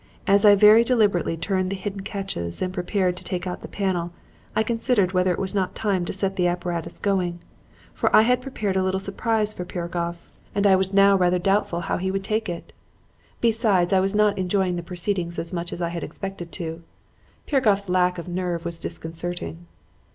As I very deliberately turned the hidden catches and prepared to take out the panel, I considered whether it was not time to set the apparatus going. For I had prepared a little surprise for Piragoff and I was now rather doubtful how he would take it. Besides, I was not enjoying the proceedings as much as I had expected to. Piragoff's lack of nerve was disconcerting.